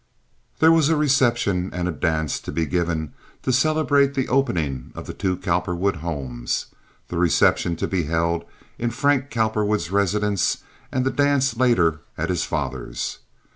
There was a reception and a dance to be given to celebrate the opening of the two Cowperwood homes—the reception to be held in Frank Cowperwood's residence, and the dance later at his father's.